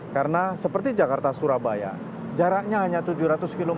karena seperti jakarta surabaya jaraknya hanya tujuh ratus km